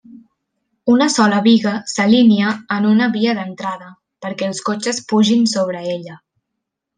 Una sola biga s'alinea en una via d'entrada perquè els cotxes pugin sobre ella.